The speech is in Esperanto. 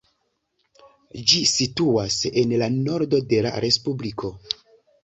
Ĝi situas en la nordo de la respubliko.